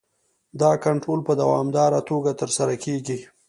دا کنټرول په دوامداره توګه ترسره کیږي.